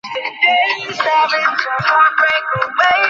দুঃখ পাস নি বলেই সে কথা মনে থাকে না।